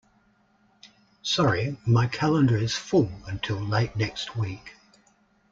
Sorry, my calendar is full until late next week.